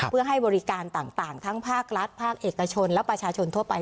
เพื่อให้บริการต่างทั้งภาครัฐภาคเอกชนและประชาชนทั่วไป